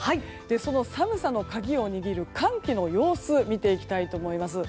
その寒さの鍵を握る寒気の様子を見ていきたいと思います。